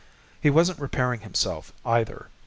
He wasn't repairing himself, either.